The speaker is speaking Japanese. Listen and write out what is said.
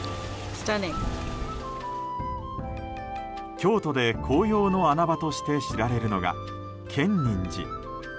京都で紅葉の穴場として知られるのが建仁寺。